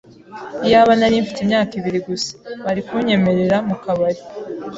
Iyaba narimfite imyaka ibiri gusa, bari kunyemerera mukabari.